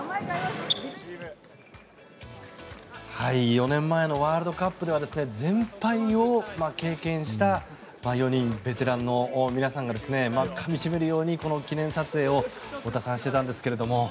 ４年前のワールドカップでは全敗を経験した４人ベテランの皆さんがかみ締めるようにこの記念撮影をしていたんですが。